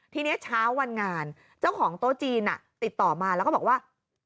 ทีนี้เช้าวันงานเจ้าของโต๊ะจีนติดต่อมาแล้วก็บอกว่า